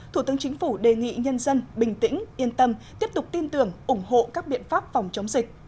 thủ tướng chính phủ đề nghị nhân dân bình tĩnh yên tâm tiếp tục tin tưởng ủng hộ các biện pháp phòng chống dịch